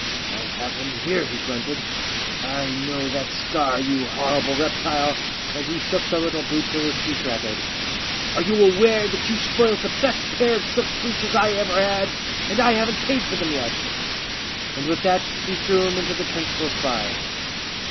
" I have him here," he grunted. " I know that scar, you horrible reptile," and he shook the little brute till his teeth rattled. " Are you aware that you spoilt the best pair of silk breeches I ever had, and I haven't paid for them yet ?" And with that he threw him into the trench close by.